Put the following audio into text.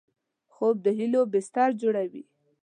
خوب د هیلو بستر جوړوي